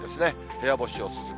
部屋干しお勧め。